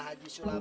tidak tidak tidak